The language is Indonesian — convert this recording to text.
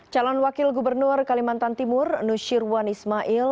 calon wakil gubernur kalimantan timur nusyirwan ismail